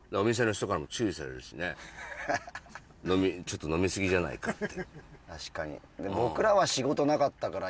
したちょっと飲みすぎじゃないかって